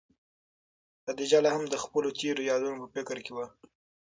خدیجه لا هم د خپلو تېرو یادونو په فکر کې وه.